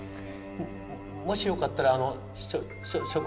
もしよかったらあのしょしょしょく。